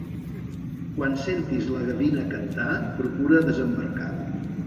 Quan sentis la gavina cantar, procura desembarcar.